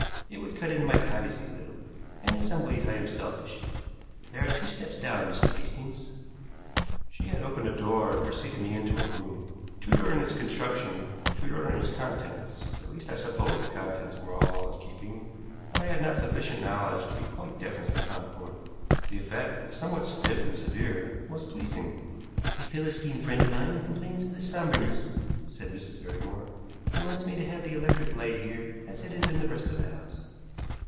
It would cut into my privacy a little, and in some ways I am selfish. There are two steps down, Mr. Hastings." She had opened a door and preceded me into a room, Tudor in its construction, Tudor in its contents at least, I suppose the contents were all in keeping, but I had not sufficient knowledge to be quite definite upon the point. The effect, if somewhat stiff and severe, was pleasing. "A Philistine friend of mine complains of the somberness," said Mrs. Barrymore, "and wants me to have the electric light here as it is in the rest of the house.